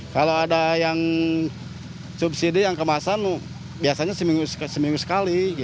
kalau ada yang subsidi yang kemasan biasanya seminggu sekali